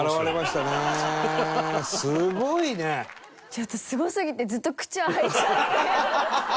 ちょっとすごすぎてずっと口開いちゃって。